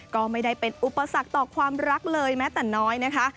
ก็ไม่ได้เป็นอุปสรรคต่อความรักเลยแม้แต่น้อยนะคะ